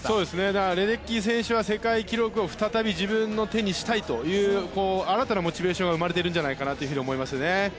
レデッキー選手は再び、世界記録を自分の手にしたいという新たなモチベーションが生まれているんじゃないかなと思います。